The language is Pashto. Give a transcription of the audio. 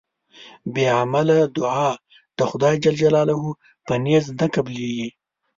بی عمله دوعا د خدای ج په نزد نه قبلېږي